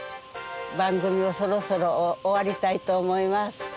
番組をそろそろ終わりたいと思います。